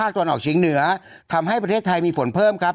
ตอนออกชิงเหนือทำให้ประเทศไทยมีฝนเพิ่มครับ